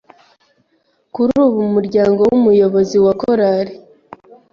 Kuri ubu umuryango w’umuyobozi wa Korari